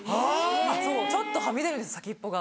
そうちょっとはみ出るんです先っぽが。